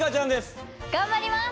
頑張ります！